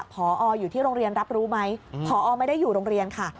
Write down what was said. พออยู่ที่โรงเรียนรับรู้ไหมพอไม่ได้อยู่โรงเรียนค่ะ